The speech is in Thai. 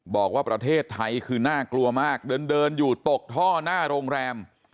บอกว่าประเทศไทยคือน่ากลัวมากเดินอยู่ตกท่อหน้าโรงแรม